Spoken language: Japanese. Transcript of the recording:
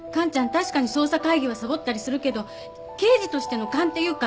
確かに捜査会議はサボったりするけど刑事としての勘っていうか